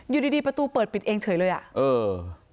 อยู่ดีดีประตูเปิดปิดเองเฉยเลยอ่ะเออ